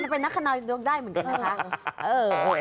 เป็นนักคณายกได้เหมือนกันนะคะ